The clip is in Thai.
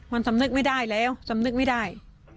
มันสำนึกไม่ได้แล้วสำนึกไม่ได้